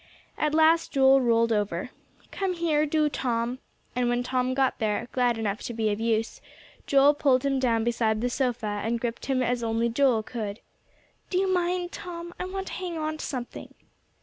At last Joel rolled over. "Come here, do, Tom," and when Tom got there, glad enough to be of use, Joel pulled him down beside the sofa, and gripped him as only Joel could. "Do you mind, Tom? I want to hang on to something."